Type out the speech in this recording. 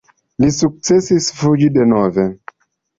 Li sukcesis fuĝi denove.